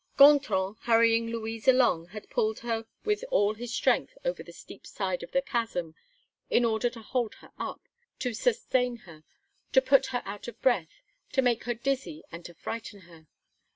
Gontran, hurrying Louise along, had pulled her with all his strength over the steep side of the chasm, in order to hold her up, to sustain her, to put her out of breath, to make her dizzy, and to frighten her.